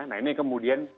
nah ini kemudian